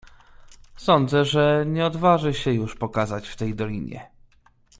"Sądzę, że nie odważy się już pokazać w tej dolinie."